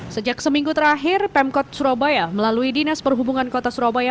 sejak seminggu terakhir pemkot surabaya melalui dinas perhubungan kota surabaya